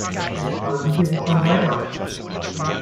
Aber wie geht es dann weiter?